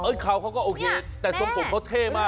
เออคราวเขาก็โอเคแต่ทรงปลูกเขาเท่มาก